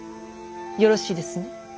よろしいですね